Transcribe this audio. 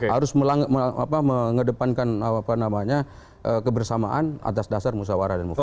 harus mengedepankan kebersamaan atas dasar musawarah dan mufakat